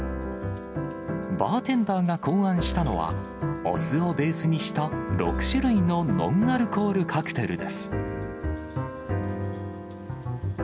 バーテンダーが考案したのは、お酢をベースにした６種類のノンアルコールカクテルです。